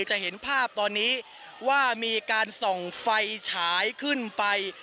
จะเห็นภาพตอนนี้ว่ามีการส่องไฟฉายขึ้นไป